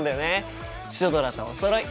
シュドラとおそろい！